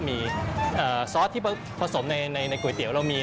มีซอสที่ผสมในก๋วยเตี๋ยวเรามี